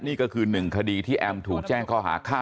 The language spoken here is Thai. นี่ก็คือ๑คดีที่แอมถูกแจ้งข้อหาฆ่า